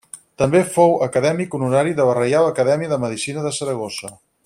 També fou Acadèmic honorari de la Reial Acadèmia de Medicina de Saragossa.